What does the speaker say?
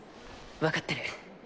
わかってる。